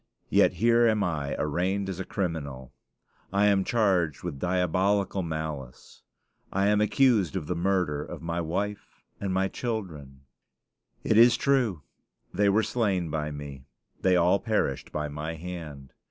Yet here am I arraigned as a criminal. I am charged with diabolical malice; I am accused of the murder of my wife and my children! It is true, they were slain by me; they all perished by my hand.